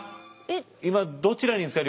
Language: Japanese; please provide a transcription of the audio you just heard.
今どちらにいるんですか？